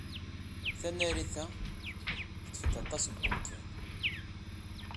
Tanarit-a teṭṭef-d aṭas n wemkan.